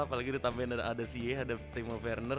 apalagi ditampilin ada si yeh ada timo werner